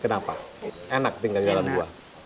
kenapa enak tinggal di dalam gua